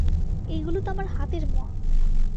এইগুলো তো আমার হাতের মোয়া।